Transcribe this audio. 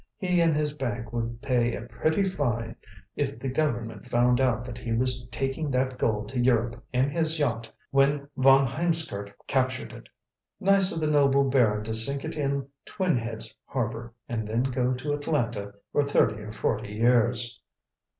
He and his bank would pay a pretty fine if the government found out that he was taking that gold to Europe in his yacht when von Hiemskirk captured it. Nice of the noble baron to sink it in Twin Heads Harbor, and then go to Atlanta for thirty or forty years!"